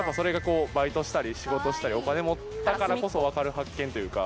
バイトしたり仕事したりお金持ったからこそ分かる発見というか。